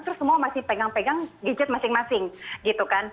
terus semua masih pegang pegang gadget masing masing gitu kan